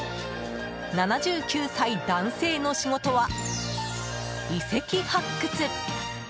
７９歳男性の仕事は遺跡発掘。